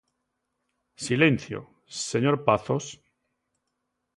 ¡Silencio, señor pazos!